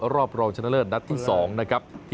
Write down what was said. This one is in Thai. รอบรองชนะเลิศณที่สองนะครับ